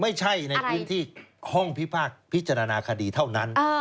ไม่ใช่ในพื้นที่ห้องพิพากษ์พิจารณาคดีเท่านั้น